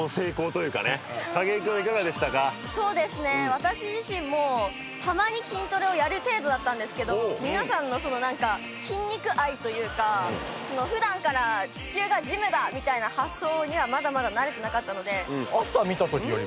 私自身もたまに筋トレをやる程度だったんですけど皆さんのその筋肉愛というか普段から地球がジムだ！みたいな発想にはまだまだなれてなかったので。